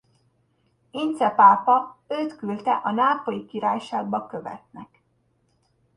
Ince pápa őt küldte a Nápolyi Királyságba követnek.